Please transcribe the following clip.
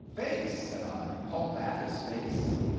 "Face!" said I, "call that his face?